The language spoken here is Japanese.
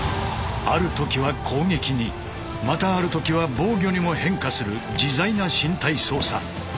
ある時は攻撃にまたある時は防御にも変化する自在な身体操作。